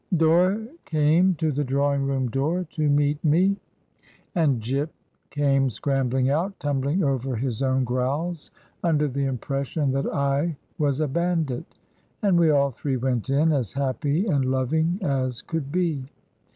"Dora came to the drawing room door to meet me; 149 Digitized by VjOOQIC HEROINES OF FICTION and Jip came scrambling out, timibling over his own growls, under the impression that I was a bandit; and we all three went in, as happy and loving as could be.